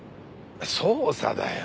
捜査だよ。